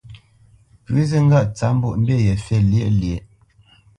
Pʉ̌ zi ŋgâʼ tsǎp mbwoʼmbî ye fî lyéʼ lyéʼ.